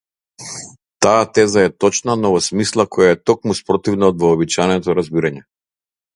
Таа теза е точна, но во смисла која е токму спротивна од вообичаеното разбирање.